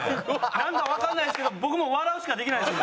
なんかわかんないですけど僕も笑うしかできないです